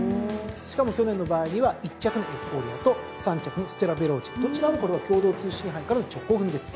しかも去年の場合には１着のエフフォーリアと３着のステラヴェローチェどちらもこれは共同通信杯からの直行組です。